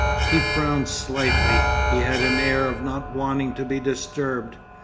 He frowned slightly, he had an air of not wanting to be disturbed.